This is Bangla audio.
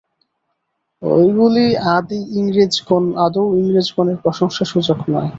ঐগুলি আদৌ ইংরেজগণের প্রশংসাসূচক নয়।